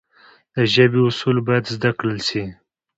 د ژبي اصول باید زده کړل سي.